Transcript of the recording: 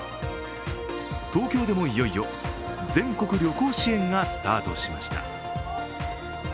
東京でもいよいよ全国旅行支援がスタートしました。